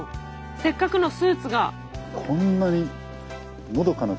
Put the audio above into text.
せっかくのスーツが。